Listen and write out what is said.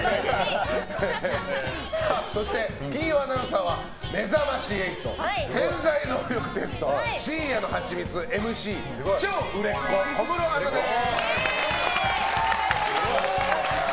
そして、金曜アナウンサーは「めざまし８」「潜在能力テスト」「深夜のハチミツ」ＭＣ超売れっ子、小室アナです。